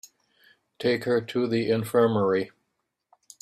Take her to the infirmary.